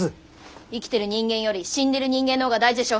生きてる人間より死んでる人間のほうが大事でしょ。